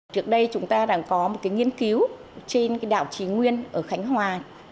trước đây chúng ta đang có một nghiên cứu trên đảo trí nguyên ở khánh hòa